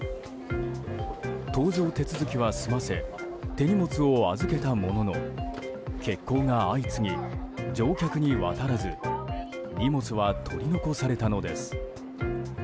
搭乗手続きは済ませ手荷物を預けたものの欠航が相次ぎ、乗客に渡らず荷物は取り残されたのです。